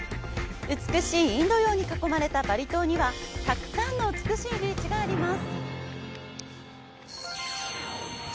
美しいインド洋に囲まれたバリ島にはたくさんの美しいビーチがあります。